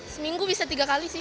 seminggu bisa tiga kali sih